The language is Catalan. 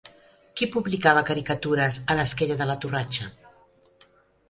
Qui publicava caricatures a l'Esquella de la Torratxa?